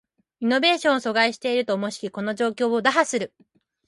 イノベーションを阻害していると思しきこの状況を打破する